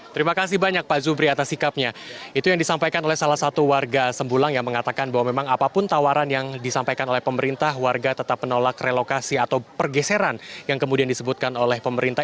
terima kasih banyak pak zubri atas sikapnya itu yang disampaikan oleh salah satu warga sembulang yang mengatakan bahwa memang apapun tawaran yang disampaikan oleh pemerintah warga tetap menolak relokasi atau pergeseran yang kemudian disebutkan oleh pemerintah